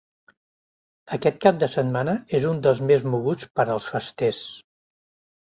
Aquest cap de setmana és un dels més moguts per als festers.